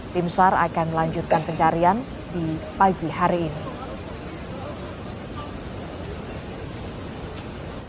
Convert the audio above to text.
tim sar akan melanjutkan pencarian di pagi hari ini